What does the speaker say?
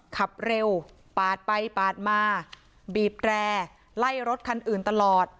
ขับเร็วปาดไปปาดมาบีบแร่ไล่รถคันอื่นตลอด